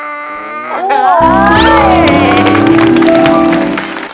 โอ้โฮโอ้โฮ